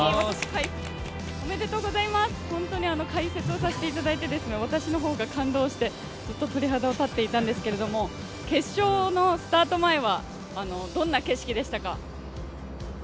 本当に解説をさせていただいて私の方が感動をしてずっと鳥肌が立っていたんですけれども決勝の前のスタートはどんな景色でしたか。